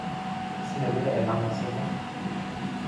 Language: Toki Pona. sina wile e mama sina.